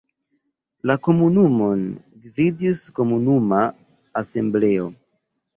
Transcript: La komunumon gvidis komunuma asembleo.